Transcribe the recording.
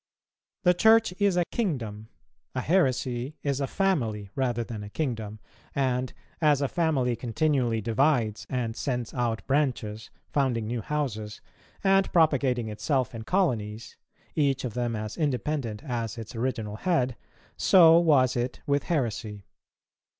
The Church is a kingdom; a heresy is a family rather than a kingdom; and as a family continually divides and sends out branches, founding new houses, and propagating itself in colonies, each of them as independent as its original head, so was it with heresy.